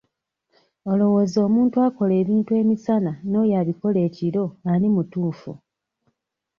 Olowooza omuntu akola ebintu emisana n'oyo abikola ekiro ani mutuufu?